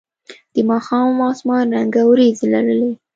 د ماښام اسمان رنګه ورېځې لرلې.